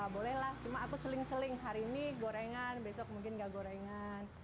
boleh lah cuma aku seling seling hari ini gorengan besok mungkin gak gorengan